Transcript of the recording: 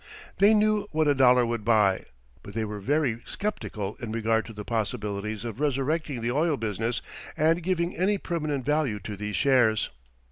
They knew what a dollar would buy, but they were very sceptical in regard to the possibilities of resurrecting the oil business and giving any permanent value to these shares.